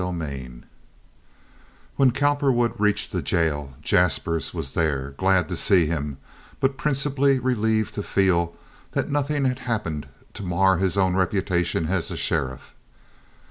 Chapter LII When Cowperwood reached the jail, Jaspers was there, glad to see him but principally relieved to feel that nothing had happened to mar his own reputation as a sheriff.